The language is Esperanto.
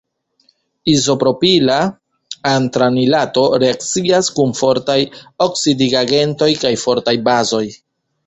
Izopropila antranilato reakcias kun fortaj oksidigagentoj kaj fortaj bazoj.